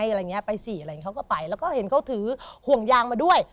อะไรอย่างเงี้ไปสิอะไรอย่างนี้เขาก็ไปแล้วก็เห็นเขาถือห่วงยางมาด้วย